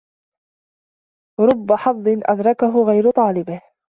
رُبَّ حَظٍّ أَدْرَكَهُ غَيْرُ طَالِبِهِ